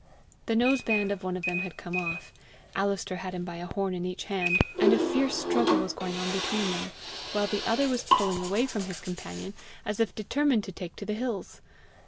The nose band of one of them had come off, Alister had him by a horn in each hand, and a fierce struggle was going on between them, while the other was pulling away from his companion as if determined to take to the hills.